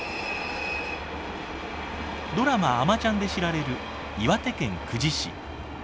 ドラマ「あまちゃん」で知られる岩手県久慈市。